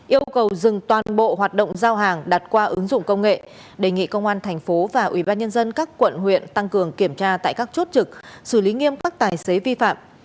yêu cầu dừng toàn bộ hoạt động giao hàng đặt qua ứng dụng công nghệ đề nghị công an thành phố và ubnd các quận huyện tăng cường kiểm tra tại các chốt trực xử lý nghiêm các tài xế vi phạm